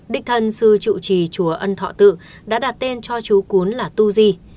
đích thân sư trụ trì chùa ân thọ tự đã đặt tên cho chú cuốn là tu di